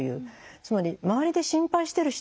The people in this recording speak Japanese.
つまり周りで心配してる人。